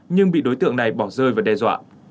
nhưng bị đối tượng này bỏ rơi và đe dọa